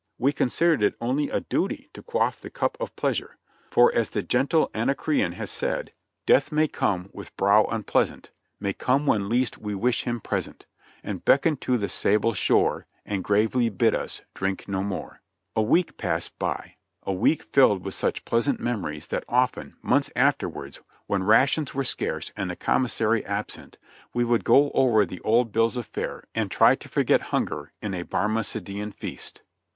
We considered it only a duty to quaff the cup of pleasure, for as the gentle Anacreon has said : Il8 JOHNNY RKB AND BILLY YANK "Death may come with brow unpleasant, May come when least we wish him present, And beckon to the sable shore, And gravely bid us — drink no more." A week passed by ; a week filled with such pleasant memories that often, months afterwards, when rations v.ere scarce and the commissary absent, we would go over the old bills of fare and try to forget hunger in a Barmecidean feast.